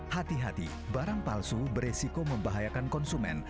hati hati barang palsu beresiko membahayakan konsumen